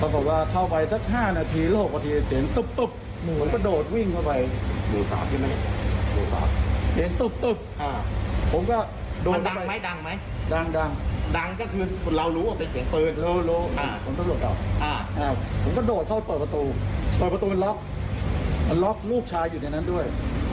เปิดประตูมันล็อกมันล็อกลูกชายอยู่ในนั้นด้วย